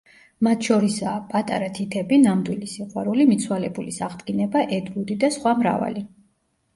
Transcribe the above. მათ შორისაა: „პატარა თითები“, „ნამდვილი სიყვარული“, „მიცვალებულის აღდგინება“, „ედ ვუდი“ და სხვა მრავალი.